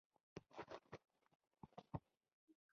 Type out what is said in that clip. هغه لوښي چې مربا یا اچار پکې اخلئ باید کلک سرپوښ ولري.